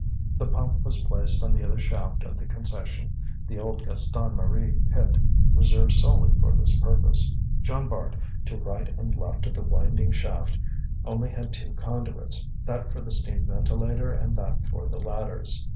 The pump was placed on the other shaft of the concession, the old Gaston Marie pit, reserved solely for this purpose. Jean Bart, to right and left of the winding shaft, only had two conduits, that for the steam ventilator and that for the ladders.